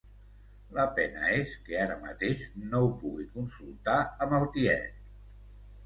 La pena és que ara mateix no ho pugui consultar amb el tiet.